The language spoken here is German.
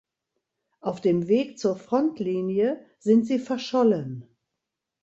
Auf dem Weg zur Frontlinie sind sie verschollen.